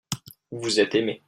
vous êtes aimé.